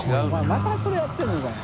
またそれやってるのかよ。